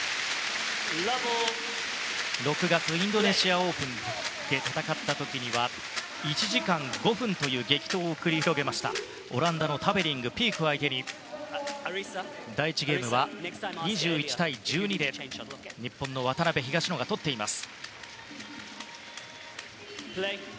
６月、インドネシアオープンで戦った時には１時間５分という激闘を繰り広げましたオランダのタベリング、ピークを相手に第１ゲームは２１対１２で日本の渡辺、東野が取っています。